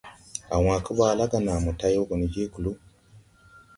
A wãã kebaala ga naa tay wo go ni je kluu.